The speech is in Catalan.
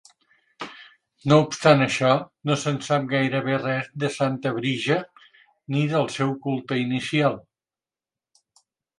No obstant això, no se'n sap gairebé res de Santa Breage ni del seu culte inicial.